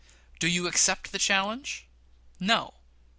Do you accept the challenge? No!